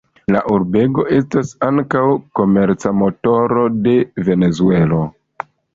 La urbego estas ankaŭ komerca motoro de Venezuelo.